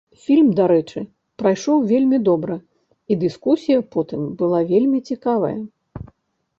Фільм, дарэчы, прайшоў вельмі добра і дыскусія потым была вельмі цікавая.